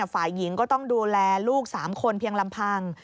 ฝ่ายหญิงก็ต้องดูแลลูก๓คนเพียงลำพัง